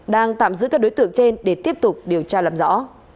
đang tạm giữ các đối tượng trên để tiếp tục điều tra làm rõ